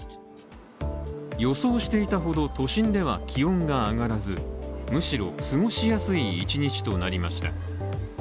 予想していたほど都心では気温が上がらずむしろ過ごしやすい一日となりました。